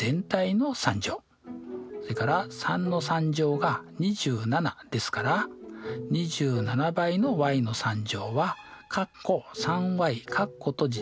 それから３の３乗が２７ですから２７倍のｙは全体の３乗と考えます。